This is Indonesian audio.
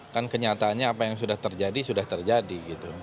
kan kenyataannya apa yang sudah terjadi sudah terjadi